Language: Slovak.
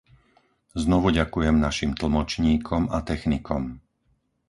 Znovu ďakujem našim tlmočníkom a technikom.